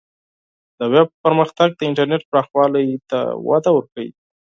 د ویب پرمختګ د انټرنیټ پراخوالی ته وده ورکوي.